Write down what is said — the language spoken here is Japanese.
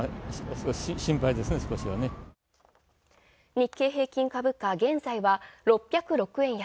日経平均株価、現在は６０６円安。